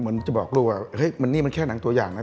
เหมือนจะบอกลูกว่าเฮ้ยมันนี่มันแค่หนังตัวอย่างนะ